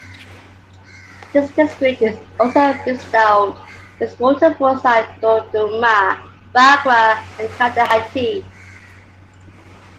This district is also bestowed with waterfalls like Duduma, Bagra and Khandahati.